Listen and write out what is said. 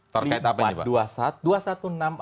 terkait apa ini pak